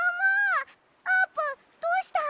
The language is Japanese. あーぷんどうしたの？